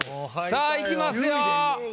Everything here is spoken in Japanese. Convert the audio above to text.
さぁいきますよ。